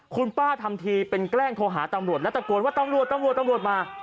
คุณป้าทำทีเป็นแกล้งโทรหาตำรวจและตะโกนว่าตำรวจตำรวจมา